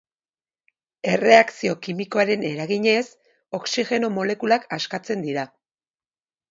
Erreakzio kimikoaren eraginez, oxigeno molekulak askatzen dira.